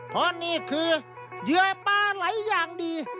เพราะนี่คือเหยื่อปลาไหลอย่างดี